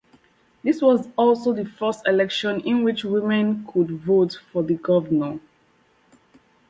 This was also the first election in which women could vote for the governor.